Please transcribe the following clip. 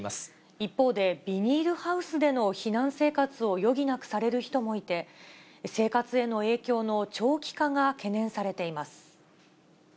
一方で、ビニールハウスでの避難生活を余儀なくされる人もいて、生活への影響の長期化が懸念されています。